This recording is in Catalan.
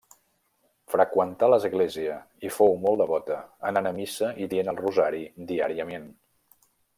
Freqüentà l'església i fou molt devota, anant a missa i dient el rosari diàriament.